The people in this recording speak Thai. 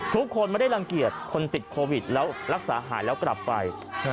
ทุกคนไม่ได้รังเกียจคนติดโควิดแล้วรักษาหายแล้วกลับไป